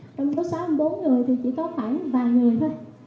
trong số sáu mươi bốn người thì chỉ có khoảng vài người thôi